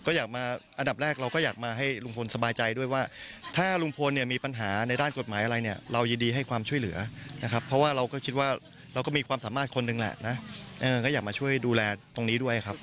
ก็อยากมาอันดับแรกเราก็อยากมาให้ลุงพลสบายใจด้วยว่าถ้าลุงพลเนี่ยมีปัญหาในด้านกฎหมายอะไรเนี่ยเรายินดีให้ความช่วยเหลือนะครับเพราะว่าเราก็คิดว่าเราก็มีความสามารถคนหนึ่งแหละนะก็อยากมาช่วยดูแลตรงนี้ด้วยครับ